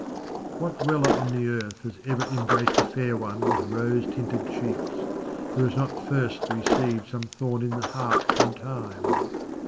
What dweller on the earth has ever embraced a fair one with rose tinted cheeks, who has not first received some thorn in the heart from time